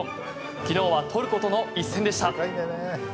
昨日はトルコとの一戦でした。